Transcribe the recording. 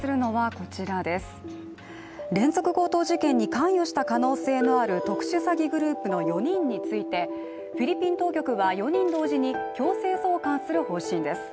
連続強盗事件に関与した可能性のある特殊詐欺グループの４人についてフィリピン当局は、４人同時に強制送還する方針です。